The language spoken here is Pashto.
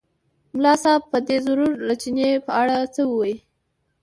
ملا صاحب به دی ضرور له چیني په اړه څه ووایي.